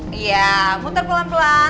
iya muter pelan pelan